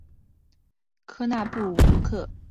科纳布鲁克是加拿大纽芬兰岛西岸的一座城市。